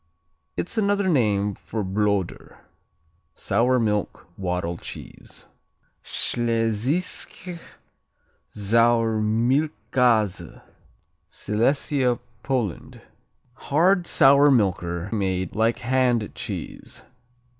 It's another name for Bloder, sour milk "waddle" cheese. Schlesische Sauermilchkäse Silesia, Poland Hard; sour milker; made like hand cheese.